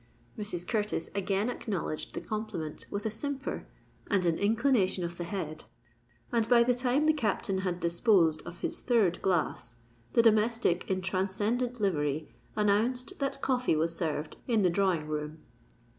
Mrs. Curtis again acknowledged the compliment with a simper and an inclination of the head; and by the time the Captain had disposed of his third glass, the domestic in transcendent livery announced that coffee was served in the drawing room.